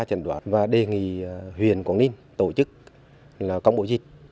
chẩn đoán và đề nghị huyện quảng ninh tổ chức là công bố dịch